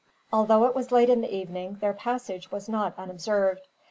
Although it was late in the evening, their passage was not unobserved.